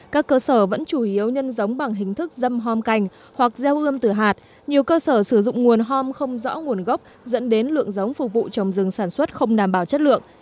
các cơ sở vẫn chủ yếu nhân giống bằng hình thức dâm hom cành hoặc gieo gươm từ hạt nhiều cơ sở sử dụng nguồn hom không rõ nguồn gốc dẫn đến lượng giống phục vụ trồng rừng sản xuất không đảm bảo chất lượng